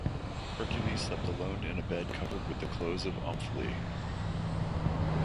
Hercules slept alone in a bed covered with the clothes of Omphale.